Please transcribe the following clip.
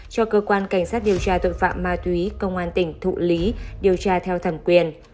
cho cơ quan cảnh sát điều tra tội phạm ma túy công an tỉnh thụ lý điều tra theo thẩm quyền